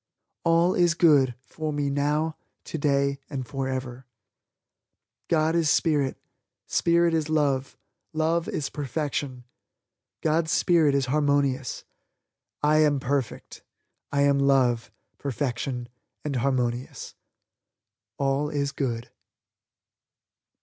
All is Good for me now, today and forever. God is spirit; spirit is love; love is perfection; God's spirit is harmonious, I am perfect, I am love, perfection and harmonious. ALL IS GOOD.